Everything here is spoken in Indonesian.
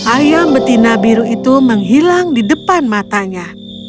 ayam betina biru itu menghilang di depan matanya